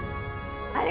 あれ？